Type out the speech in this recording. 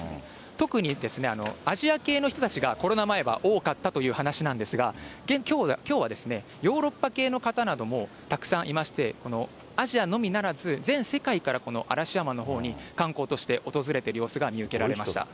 特に、アジア系の人たちが、コロナ前は多かったという話なんですが、きょうはヨーロッパ系の方などもたくさんいまして、アジアのみならず全世界からこの嵐山のほうに観光として訪れていすごい人だ。